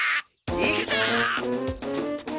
行くぞ！